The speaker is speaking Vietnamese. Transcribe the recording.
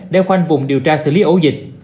để khoanh vùng điều tra xử lý ổ dịch